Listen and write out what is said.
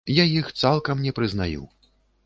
Я іх цалкам не прызнаю.